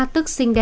tức sinh đen